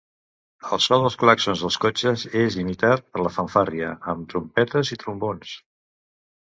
El so dels clàxons dels cotxes és imitat per la fanfàrria, amb trompetes i trombons.